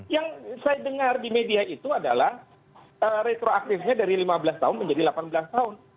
yang saya dengar di media itu adalah retroaktifnya dari lima belas tahun menjadi delapan belas tahun